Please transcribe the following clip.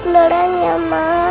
perlahan ya ma